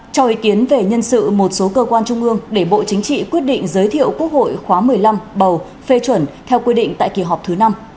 cho ý kiến về nhân sự một số cơ quan trung ương để bộ chính trị quyết định giới thiệu quốc hội khóa một mươi năm bầu phê chuẩn theo quy định tại kỳ họp thứ năm